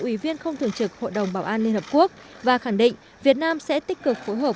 ủy viên không thường trực hội đồng bảo an liên hợp quốc và khẳng định việt nam sẽ tích cực phối hợp